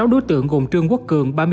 sáu đối tượng gồm trương quốc cường